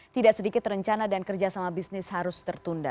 tidak sedikit rencana dan kerjasama bisnis harus tertunda